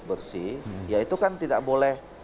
bersih ya itu kan tidak boleh